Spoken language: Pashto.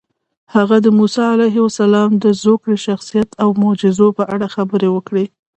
هغه د موسی علیه السلام د زوکړې، شخصیت او معجزو په اړه خبرې وکړې.